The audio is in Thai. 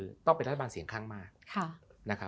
มันต้องเป็นรัฐบาลเสียงข้างมาก